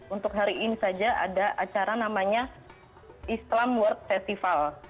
untuk hari ini saja ada acara namanya islam world festival